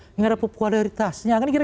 tidak ada popularitasnya